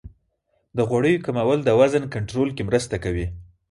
د غوړیو کمول د وزن کنټرول کې مرسته کوي.